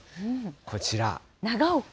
こちら。